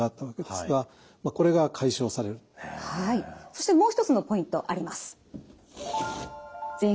そしてもう一つのポイントあります。